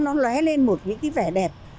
nó lé lên một những cái vẻ đẹp